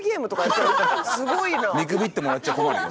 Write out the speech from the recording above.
見くびってもらっちゃ困るよ。